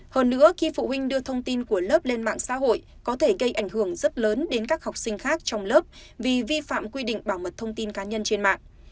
hơn nữa khi phụ huynh đưa thông tin của lớp lên mạng xã hội có thể gây ảnh hưởng rất lớn đến các học sinh khác trong lớp vì vi phạm quy định bảo mật thông tin cá nhân trên mạng